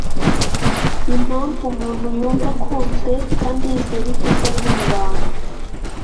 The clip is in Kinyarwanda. ba impamvu umuntu yumva akunzwe kandi yizera ibyiza biri mu bantu